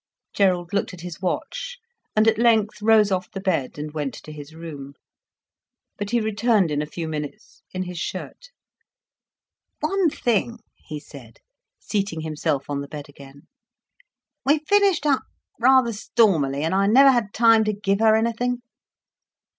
Gerald looked at his watch, and at length rose off the bed, and went to his room. But he returned in a few minutes, in his shirt. "One thing," he said, seating himself on the bed again. "We finished up rather stormily, and I never had time to give her anything."